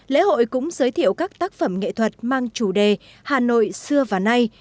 lễ hội cũng giới thiệu các tác phẩm nghệ thuật mang chủ đề hà nội xưa và nay